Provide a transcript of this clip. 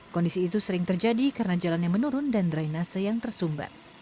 kondisi itu sering terjadi karena jalannya menurun dan drainase yang tersumbat